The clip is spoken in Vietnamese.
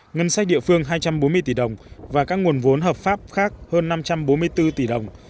ngân sách địa phương hai trăm bốn mươi tỷ đồng và các nguồn vốn hợp pháp khác hơn năm trăm bốn mươi bốn tỷ đồng